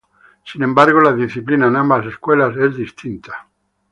Sin embargo, la disciplina en ambas escuelas es distinta.